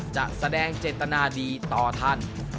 แสดงเจตนาดีต่อท่าน